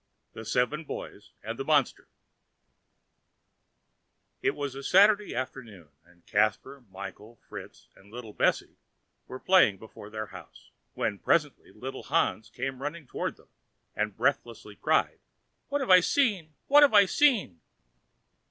The Seven Boys and the Monster It was Saturday afternoon, and Caspar, Michael, Fritz, and little Bessy were playing before their house, when presently little Hans came running toward them, and breathlessly cried: "What have I seen? what have I seen?"